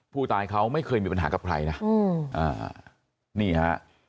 ผู้ตายเขาไม่เคยมีปัญหากับใครนะนี่ฮะ